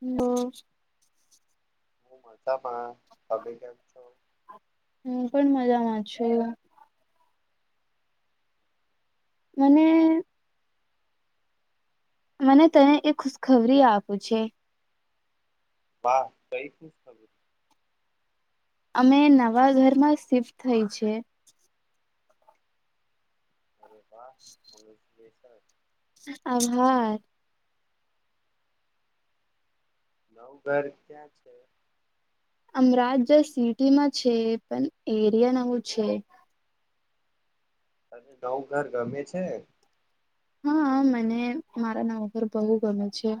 ન બ પણ અભિગ્ઞ છો પણ મજામાં છ એ મને મને તને એ ખુશખબરી આપું છે વાહ ગઈ ખ ખબર અમે નવા ઘરમાં શિફ્ટ થઈ છેી અરે બા પ આભા નવ ઘર ત્યાં છે અમરાજ જ સિટીમાં છે પણ એરિયા નવું છે ત નવ ઘર ગમે છે હા મને મારા ના વગર બહુ ગમે છે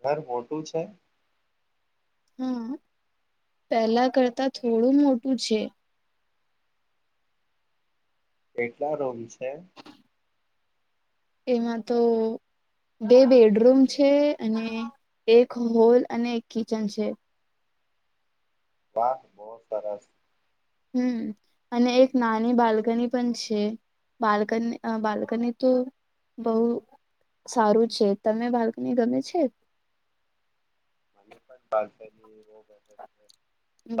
ઘર મોટું છે હા પહેલા કરતા થોડું મોટું છે કેટલા રોમ છે હ એમાં તો બે બેડરૂમ છે અને એક હોલ અને એક કિચન છે. વાહ બહત સારસ હમ્મ અને એક નાની બાલ્કની પણ છે બાલ્કની બાલ્કની તો બહુ સારું છે તમે બાલ્કની ગમે છે. મને [unintelligible]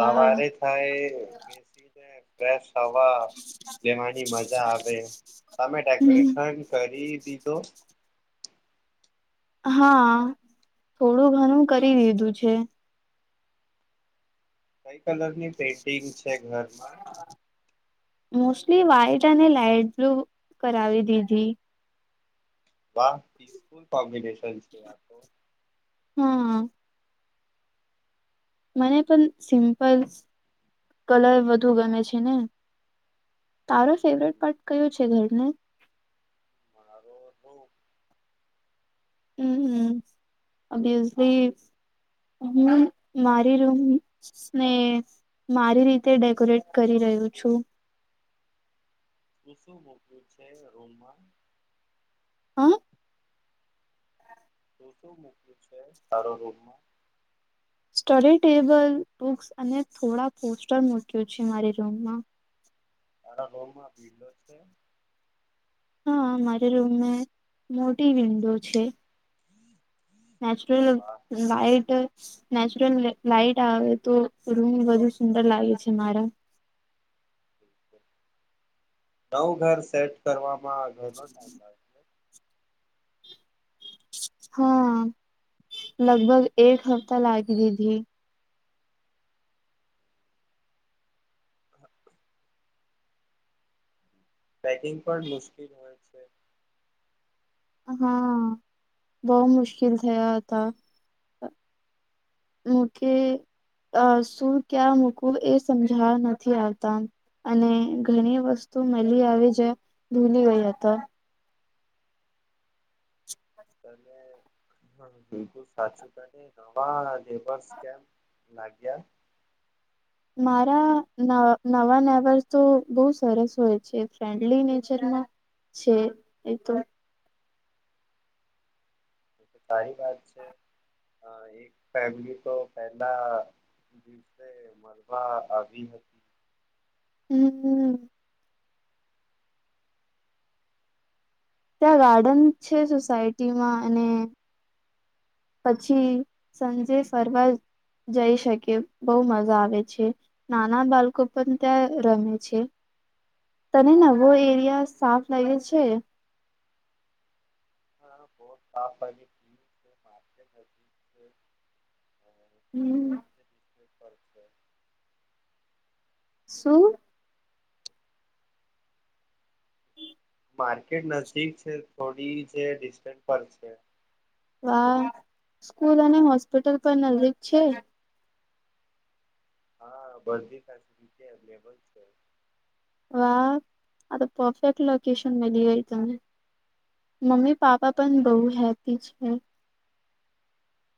વાહ થાય બેસીને ગેસ વા લેવાની મજા આવે તમે હમ ડેકોરેશન કરી દીધો હા થોડું ઘણું કરી દીધું છે. કઈ કલર ની પેન્ટિંગ છે ઘર હ. મોસ્ટલી વ્હાઈટ અને લાઇટ બ્લુ કરાવી દીધી વાહ કોમ્પિશન હ. મને પણ સિમ્પલ કલર વધુ ગમે છે ને તારો ફેવરેટ પાર્ટ કયો છે ઘરને? મારો હઉ. હમ્મ, હમબસલી હું મારી રૂમસ ને મારી રીતે ડેકોરેટ કરી રહ્યું છું. શું શું મૂક્યું છે રૂમમાં? હમ્મ? શું શું મૂકયુ છે તારો રૂમમાં? સ્ટડીટેબલ, બુક્સ અને થોડા પોસ્ટર મૂક્યું છે મારી રૂમમાં. તારા લોમ માં ભીલો છે? હા મારે રૂમમાં મોટી વિન્ડો છે. નેચરલ વાહ લાઇટ, નેચરલ લાઈટ આવે તો રૂમ વધુ સુંદર લાગે છે મારા. નવ ઘર સેટ કરવા માં ઘનો ટાઈમ લાગે. હા, લગભગ એક હપ્તા લાગી દીધી. હા. પેકિંગ પણ મુશ્કેલ હોય છે. હા બવ મુશ્કેલ થયા હતા. મુકે અ શું ક્યા મૂકું એ સમજાવા નથી આવતા અને ઘણી વસ્તુ મળી આવી જે ભૂલી ગયા હતા. તને ગ બિલકુલ સાચુ તો હે. નવા લેબર્સ કેમ લાગ્યા? મારા ન નવા નેવર તો બહુ સરસ હોય છે, ફ્રેન્ડલી નેચરમાં છે એ તો. સારી વાત છે એક ફેમલી તો પેલા દિવસે મળવા આવી હતી. હમ્મ ત્યાં ગાર્ડન છે સોસાયટીમાં અને પછી સંજે ફરવા જઈ શકે બહુ મજા આવે છે નાના બાળકો પણ ત્યાં રમે છે તને નવો એરિયા સાફ લાગે છે. હપજીક છે [unintelligible] હમ્મ ઉપપાર સું માર્કેટ નજીક છે થોડી જે ડિસ્ટન્સ પર છે વા સ્કૂલ અને હોસ્પિટલ પણ નજીક છે હા બધી ફેસલટી અવેલેબલ છે વાહ આ તો પરફેક્ટ લોકેશન મળી ગઈ તને મમ્મી પાપા હા પણ મમ્મી બઉુ હેપી છે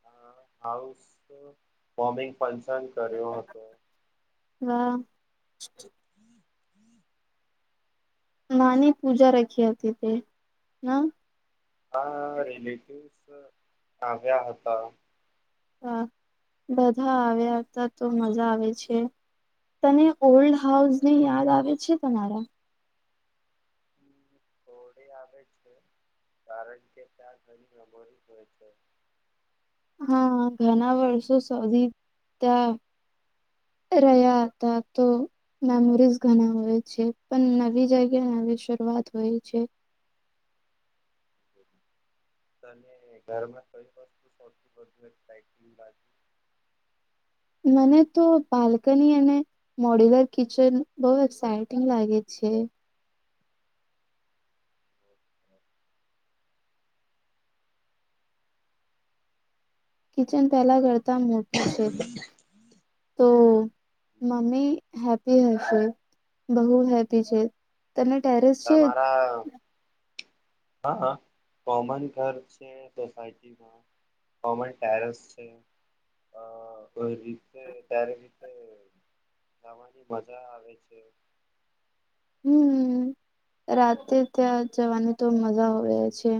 હ હાઉસ ફોમિંગ પંસન કર્યો હતો હા નાની પૂજા રાખી હતી તે હ હા રિલેટિવ આવ્યા હતા હ બધા આવ્યા હતા તો મજા આવે છે તને ઓલ્ડ હાઉસ ને બરોબર. યાદ આવે છે સુના થડે આવે છે કારણ કે ત્યાં ઘણી મેબોરી હોય છે હા ઘણા વર્ષો સધી ત્યાં રહ્યા હતા તો મેમોરીઝ ઘણા હોય છે પણ નવી જગ્યા નવી શરૂઆત હોય છે ત ઘરમાં કઈ વસ્તુ સૌથીટ બાુ મને તો બાલ્કની અને મોડ્યુલર કિચન બહ એક્સઇટિંગ લાગે છે કિચન પહેલા કરતા મોટું છે તો મમ્મી હેપી હશે બહુ હેપી છે તમને ટેરેસ છે તમારા હા કોમન ઘર છે સોસાયટીમાં કોમન ટેરેસ છે કો રીતે ત્યારે રીતે જવાની મજા આવે છે હમ રાતે ત્યાં જવાની તો મજા આવે છે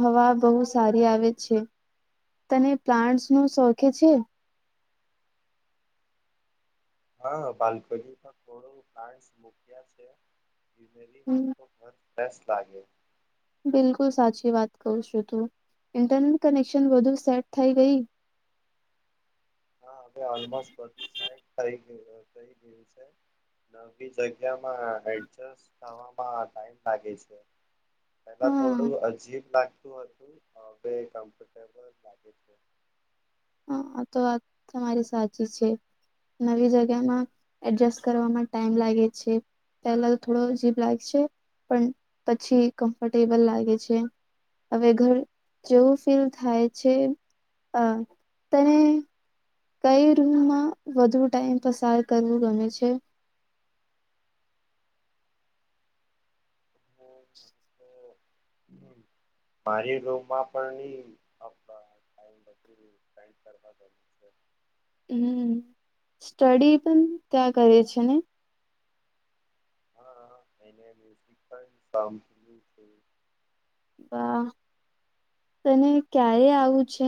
હવા બહુ સારી આવે છે તને પ્લાન્ટ્સ નું શોખે છે હા પાલકોની થોડું્ મક છે જીમેલી હોય તો ઘર પ્રસ લાગે બિલકુલ સાચી વાત ક છું તું ઇન્ટરનેટ કનેક્શન વધુ સેટ થઈ ગઈ હા હ ઓલમોધ થ ગયું ન જગ્યામાં થ ટ લાગ છે પલા હા થોડું અજીબ લાગ શું હતું હ કમફર્ટેબલ લાગે છે હ આ તો વાત તમારી સાચી છે નવી જગ્યામાં એડજસ્ટ કરવામાં ટાઈમ લાગે છે પહેલા તો થોડો જીભ લાગ છે પણ પછી કમ્ફર્ટેબલ લાગે છે હવે ઘર જેવું ફીલ થાય છે અ તને કઈ રૂમમાં વધુ ટાઈમ પસાર કરવું ગમે છે પણ હમ સ્ટડી પણ ત્યાં કરે છે ને હા એ મ્યઝિક પણ છે વાહ તને ક્યારે આવું છે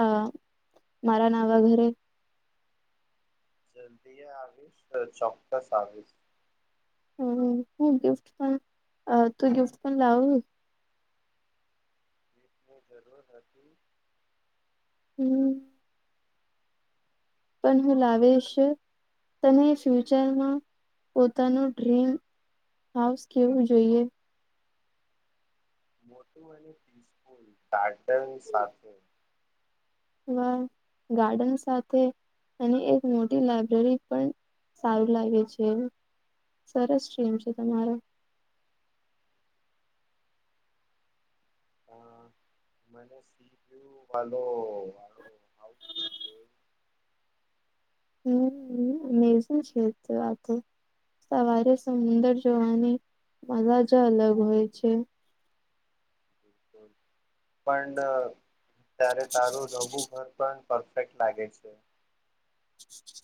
આ મારા નાવા ઘરે જલ્દી આવીશ ચોક્કસ આવીશ હમ હું ગિફ્ટ પણ તું ગિફ્ટ પણ લાવ એની જરૂર હતી હતી હમ પણ હું લાવીશ. તને ફ્યુચરમાં પોતાનું ડ્રીમ હાઉસ કેવું જોઈએ? પાર્સલ સાથે ગાર્ડન સાથે અને એક મોટી લાયબ્રેરી પણ સારું લાગે છે સરસ સ્ટ્રીમ છે તમારો હ મને સિપિયુ વાલો વાલો હમ એ શું છે કે આ તો સવારે સુંદર જોવાની મજા જ અલગ હોય છે. પણ ત્યારે તારું નવું ઘર પણ પરફેક્ટ લાગે છે.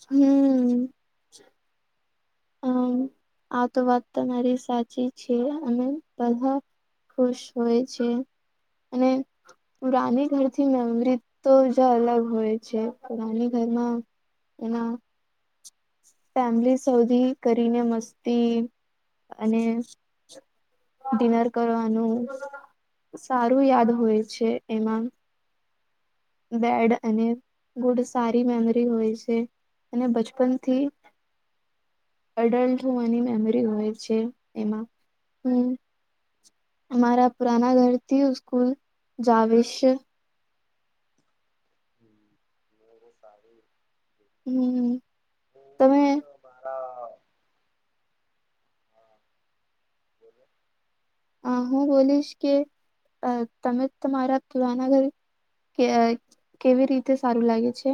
હમ અમ આ તો વાત તમારી સાચી છે અને બધા ખુશ હોય છે અને પુરાની ઘરથી મેમરી તો જ અલગ હોય છે પુરાની ઘરમાં એના ફેમિલી સૌથી કરીને મસ્તી અને ડિનર કરવાનું સારું યાદ હોય છે એમાં બેડ અને ગુડ સારી મેમરી હોય છે અને બચપનથી અડલ્ટ હોવાની મેમરી હોય છે એમાં હમ અમારા પુરાના ઘરથી સ્કૂલ જાવેશો. હમ, ઘર સારું. હમ હું તમે પણ મ મારા હા બોલો. અ હું બોલીશ કે અ તમે તમારા પુરાના ઘર કે કેવી રીતે સારું લાગે છે.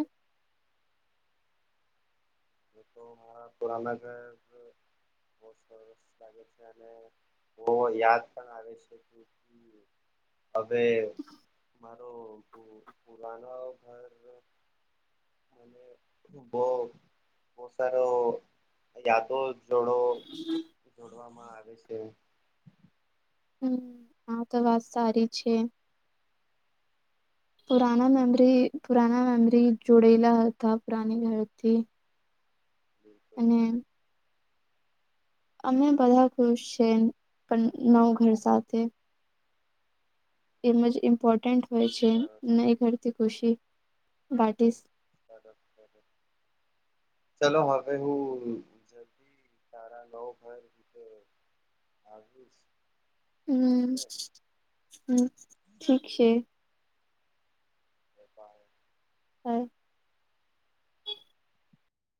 હું તો મારા પુરાના ઘર અ બહુ સરસ લાગે છે અને બહુ યાદ પણ આવે છે હવે મારો પુ પુરાનો ઘર મને હું બહુ બહુ સારો યાદો જોડો જોડવામાં આવે છે. હમ આા તો વાત સારી છે. પુરાના મેમરી પુરાના મેમરી જોડેલા હતા પુરાની ઘરથી બિલકુલ અને અમે બધા ખુશ છે પણ નવા ઘર સાથે એમ જ ઇમ્પોર્ટન્ટ હોય છે સરસ નહી કરતી ખુશી વાટ ઇઝ ચલો ચલો, ચલો હવે હું જલ્દી તારા નવો ઘર લીધો આવીશ. હમ હમ ઠીક છે. એ થાય હમ